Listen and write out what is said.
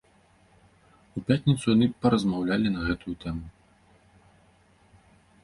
У пятніцу яны паразмаўлялі на гэтую тэму.